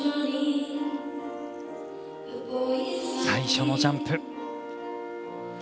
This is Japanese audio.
最初のジャンプ。